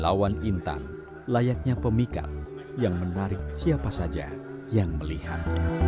lawan intan layaknya pemikat yang menarik siapa saja yang melihat